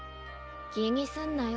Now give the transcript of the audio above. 気にすんなよ。